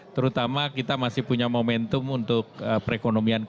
terutama kita masih punya momentum untuk perekonomian